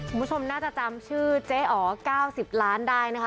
คุณผู้ชมน่าจะจำชื่อเจ๊อ๋อ๙๐ล้านได้นะคะ